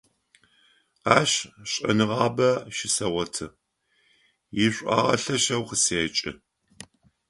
Ащ шӀэныгъабэ щысэгъоты, ишӀуагъэ лъэшэу къысэкӀы.